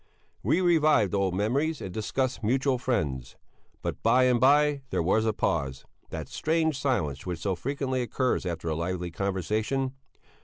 We revived old memories and discussed mutual friends. But by and by there was a pause, that strange silence which so frequently occurs after a lively conversation.